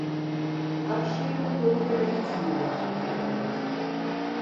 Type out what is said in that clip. Die Abschiebung wurde für rechtswidrig erklärt.